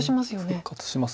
復活します。